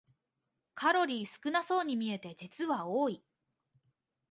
カロリー少なそうに見えて実は多い